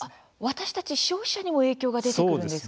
私たち消費者にも影響が出てくるんですか？